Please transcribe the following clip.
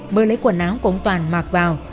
mơ lấy quần áo của ông toàn mạc vào